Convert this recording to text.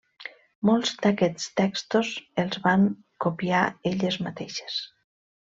Molts d'aquests textos els van copiar elles mateixes.